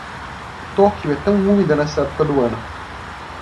Tóquio é tão úmida nesta época do ano.